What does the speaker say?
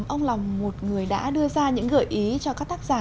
ông lòng một người đã đưa ra những gợi ý cho các tác giả